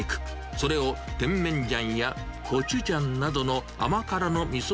それをテンメンジャンやコチュジャンなどの甘辛のみそ